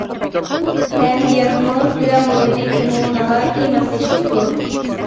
ھەم يازمىڭىز بىلەن مۇزىكىمۇ ناھايىتى ماسلىشىپتۇ.